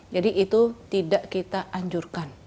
jadi itu tidak kita anjurkan